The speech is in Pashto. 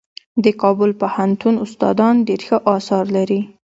د کابل پوهنتون استادان ډېر ښه اثار لري.